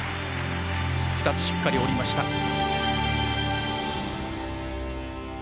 ２つしっかり降りました。